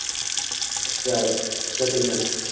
ishlatilgan